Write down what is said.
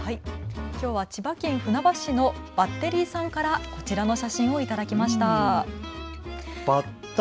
きょうは千葉県船橋市のバッテリーさんからこちらの写真を頂きました。